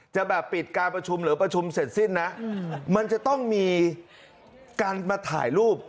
จะแบบปิดการประชุมหรือประชุมเสร็จสิ้นนะมันจะต้องมีการมาถ่ายรูป